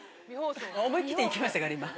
思い切っていきましたから、今。